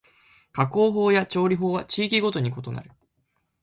加工法や調理法は地域ごとに異なる